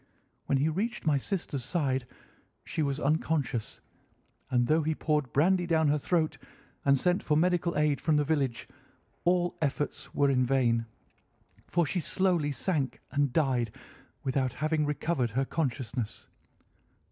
When he reached my sister's side she was unconscious, and though he poured brandy down her throat and sent for medical aid from the village, all efforts were in vain, for she slowly sank and died without having recovered her consciousness.